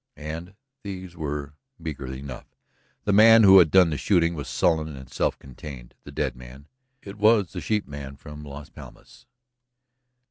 And these were meagre enough. The man who had done the shooting was sullen and self contained. The dead man ... it was the sheepman from Las Palmas